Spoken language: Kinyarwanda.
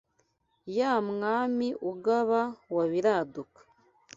Ya Mwami ugaba wa Biraduka